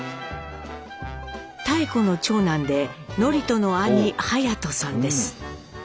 妙子の長男で智人の兄・勇人さんです。